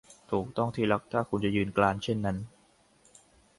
ถูกต้อง ที่รัก ถ้าคุณจะยืนกรานเช่นนั้น